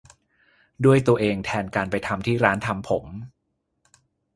ด้วยตัวเองแทนการไปทำที่ร้านทำผม